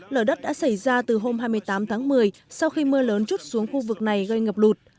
lở đất đã xảy ra từ hôm hai mươi tám tháng một mươi sau khi mưa lớn chút xuống khu vực này gây ngập lụt